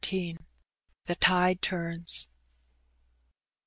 THB TIDE TURNS.